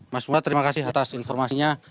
mas umar terima kasih atas informasinya